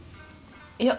いや。